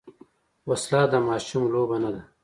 وسله د ماشوم لوبه نه ده